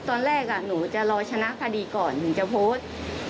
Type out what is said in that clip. ตอนแรกหนูจะรอชนะคดีก่อนถึงจะโพสต์